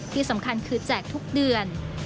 ที่สำคัญคือแจกทุกเดือน